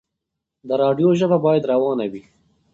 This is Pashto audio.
د راډيو ژبه بايد روانه وي.